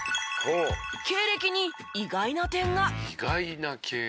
経歴に意外な点が。